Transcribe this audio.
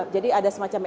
jadi ada semacam